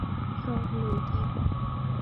ښار لوی دی